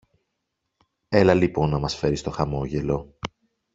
Έλα λοιπόν να μας φέρεις το χαμόγελο!